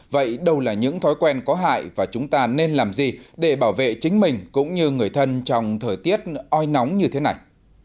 vậy đâu là những thói quen có hại và chúng ta nên làm gì để bảo vệ chính mình cũng như người thân trong thời tiết oi nóng như thế này